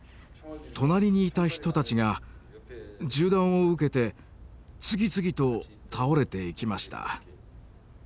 隣にいた人たちが銃弾を受けて次々と倒れていきました。